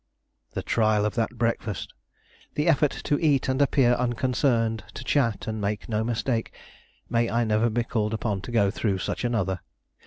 The trial of that breakfast! The effort to eat and appear unconcerned, to chat and make no mistake, May I never be called upon to go through such another!